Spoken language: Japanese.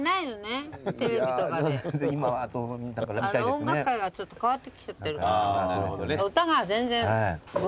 音楽界がちょっと変わってきちゃってるから。